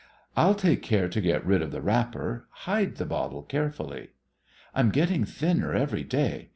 I'll take care to get rid of the wrapper. Hide the bottle carefully. "I'm getting thinner every day.